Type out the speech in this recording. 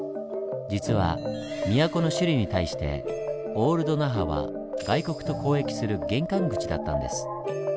実は都の首里に対してオールド那覇は外国と交易する玄関口だったんです。